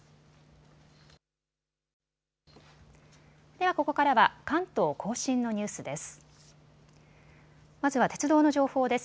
ではここからは関東甲信のニュースです。